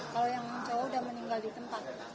kalau yang cowok udah meninggal di tempat